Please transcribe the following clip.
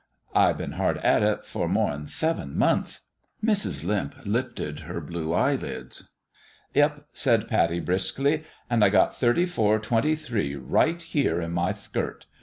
" I been hard at it for more 'n theven monthth." Mrs. Limp lifted her blue eyelids. "Yep," said Pattie, briskily ; "an' I got thirty four twenty three right here in my thkirt.